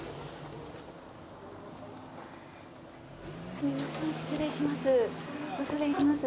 すいません失礼します。